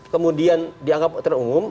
kemudian dianggap terungum